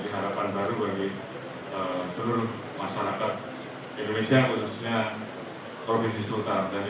seluruh masyarakat indonesia khususnya provinsi sultan